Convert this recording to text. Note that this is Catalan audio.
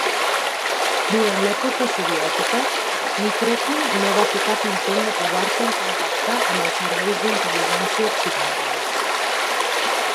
Durant l'època soviètica, Mitrokhin no va fer cap intent de posar-se en contacte amb els serveis d'intel·ligència occidentals.